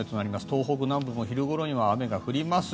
東北南部も昼ごろには雨が降ります。